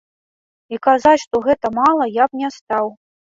І казаць, што гэта мала, я б не стаў.